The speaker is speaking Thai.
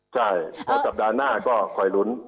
ใช่แล้วสัปดาห์หน้าก็คอยลุ้น